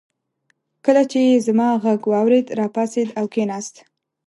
کله چې يې زما غږ واورېد راپاڅېد او کېناست.